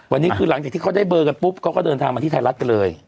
วันนี้คือหลังจากที่เขาได้เบอร์กันปุ๊บเขาก็เดินทางมาที่ไทยรัฐกันเลย